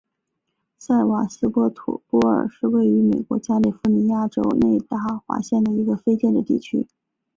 塞瓦斯托波尔是位于美国加利福尼亚州内华达县的一个非建制地区。